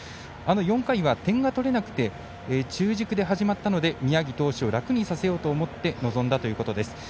あの４回は点が取れなくて中軸で始まったので、宮城投手を楽にさせようと思って臨んだということです。